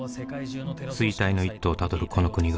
「衰退の一途をたどるこの国が」